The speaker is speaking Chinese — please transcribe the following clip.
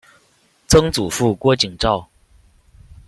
曾祖父郭景昭。